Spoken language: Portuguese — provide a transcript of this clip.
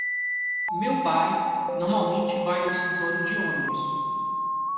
Meu pai normalmente vai ao escritório de ônibus.